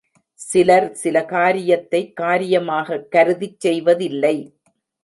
சிலர் சில காரியத்தை காரியமாகக் கருதிச் செய்வதில்லை.